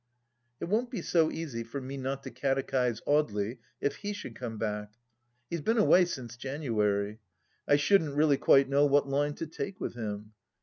... It won't be so easy for me not to catechise Audely if he should come back 1 He has been away since January. I shouldn't really quite know what line to take with him.